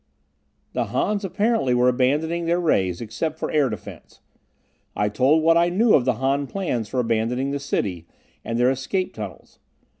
The Hans apparently were abandoning their rays except for air defense. I told what I knew of the Han plans for abandoning the city, and their escape tunnels.